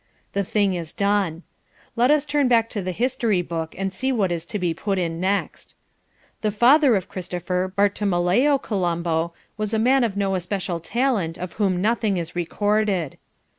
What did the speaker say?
The thing is done. Let us turn back to the history book and see what is to be put in next. "...The father of Christopher, Bartolomeo Colombo, was a man of no especial talent of whom nothing is recorded."